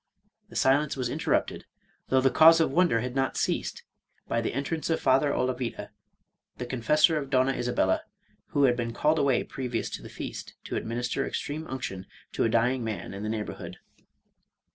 The silence was interrupted, though, the cause of wonder had not ceased, by the entrance of Father Olavida, the Confessor of Donna Isabella, who had T)een called away previous to the feast, to administer ex treme unction to a dying man in the neighborhood.